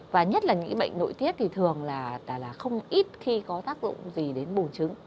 và nhất là những bệnh nội tiết thì thường là không ít khi có tác dụng gì đến bùn trứng